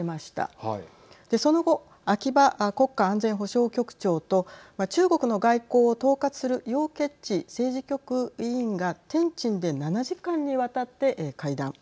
その後秋葉国家安全保障局長と中国の外交を統括する楊潔ち政治局委員が天津で７時間にわたって会談。